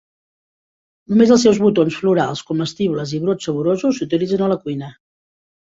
Només els seus botons florals comestibles i brots saborosos s'utilitzen a la cuina.